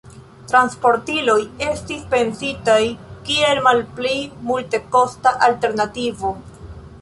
Transportiloj estis elpensitaj kiel malpli multekosta alternativo.